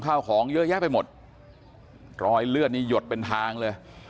ข้าวของเยอะแยะไปหมดรอยเลือดนี่หยดเป็นทางเลย